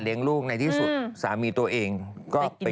ใครอยากจะรู้ละเอียดกว่านี้